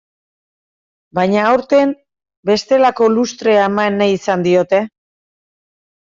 Baina aurten bestelako lustrea eman nahi izan diote.